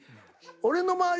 俺の周り